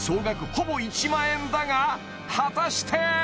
ほぼ１万円だが果たして！？